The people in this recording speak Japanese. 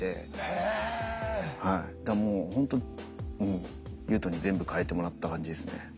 だからもうほんと雄斗に全部変えてもらった感じですね。